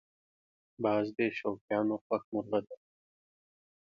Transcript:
باز د شوقیانو خوښ مرغه دی